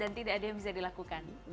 dan tidak ada yang bisa dilakukan